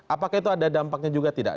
apakah itu ada dampaknya juga tidak